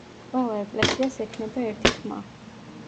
ყველა ეკლესიას ექნება ერთი ხმა.